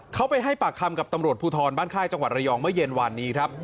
เขาไปให้ปากคำกับตำรวจภูทรบ้านค่ายจังหวัดระยองเมื่อเย็นวานนี้ครับ